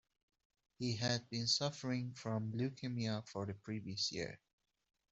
He had been suffering from leukemia for the previous year.